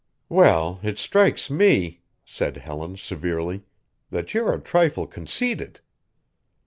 "Well, it strikes me," said Helen severely, "that you're a trifle conceited."